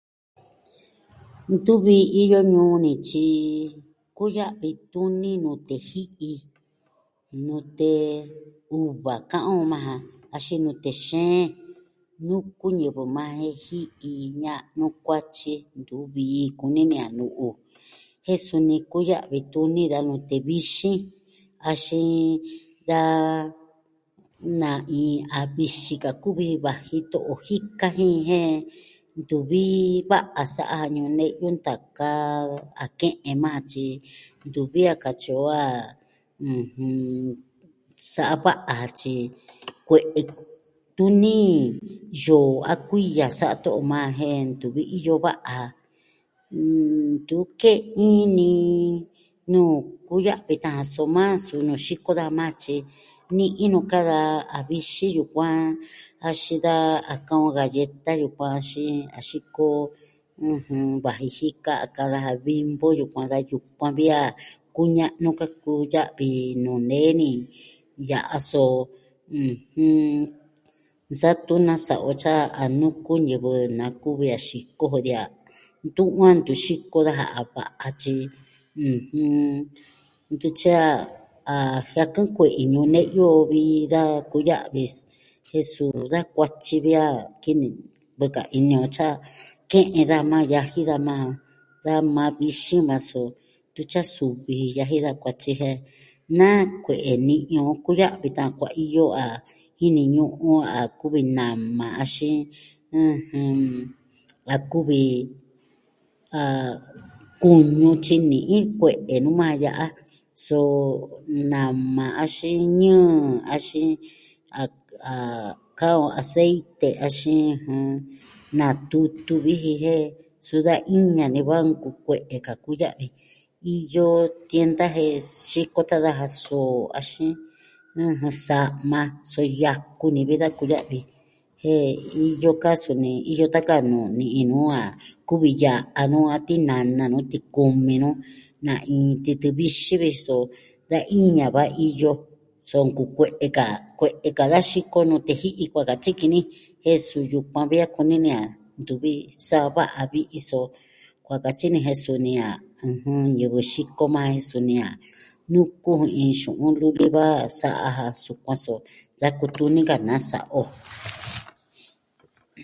Ntu vii iyo ñuu ni tyi kuya'vi tuni nute ji'i, nute uva ka'an on majan, axin nute xeen. Nuku ñivɨ majan jen ji'i ña'nu kuatyi ntuvi vii kuni ni a nu'u Jen suni kuya'vi tuni da nute vixin, axin da na iin ka a vixin ka kuvi ji vaji to'o jika jin jen ntuvi va'a sa'a ja ñune'yu ntaka a ke'en majan tyi ntuvi a katyi o a, ɨjɨn, sa'a va'a ja tyi kue'e tuni yoo a kuiya sa'a to'o majan jen ntuvi iyo va'a ja. Ntu ke'in ni nuu kuya'vi tan jan soma suu nuu xiko daja majan tyi ni'in nuu ka da a vixin yukuan axin da a ka'an on galleta yukuan axin a xiko vaji jika a ka'an daja bimbo yukuan, da yukuan vi a kuña'nu ka kuya'vi nuu nee ni ya'a, so, ɨjɨn, nsa'a tuni na sa'a o tyi a nuku ñivɨ na kuvi a xiko jo de a ntu'un a ntu xiko daja a va'a, tyi ɨjɨn, ntu tyi a jiakɨn kue'i ñune'yu o vi da kuya'vi jen suu da kuatyi vi a kini'vɨ ka ini on tyi a ke'en daja majan yaji daja, da ma vixin yukuan so ntu tyi a suu viji yaji da kuatyi jen na kue'e ni'i on kuya'vi tan kuaiyo a jiniñu'un on a kuvi nama axin kuvi kuñu tyi ni'i kue'e nu majan ya'a. So nama axin ñɨɨ axin a ka'an on aseite axin natutu vi ji jen suu da iña ni vi a nkukue'e ka kuya'vi, iyo tienda jen xiko tan daja soo axin sa'ma so yaku ni vi da kuya'vi jen iyo ka suni iyo tan ka nuu ni'i nuu a kuvi ya'a nu a tinana nu, tikumi nu, na iin titɨ vixin vi ji so da iña vi a iyo, so nkukue'e ka, kue'e ka da xiko nute ji'i kua katyi ki ni jen yukuan vi a kuni ni a ntu vi sa'a va'a vi'i so, kua katyi ki ni jen suu jen ñivɨ xiko majan jen suni a nuku iin xu'un luli vi a sa'a ja sukuan so saa kutuni ka naa sa'a o.